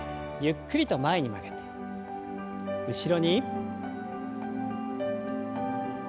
ゆっくりと前に曲げて後ろに。